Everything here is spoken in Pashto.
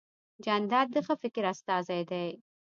جانداد د ښه فکر استازی دی.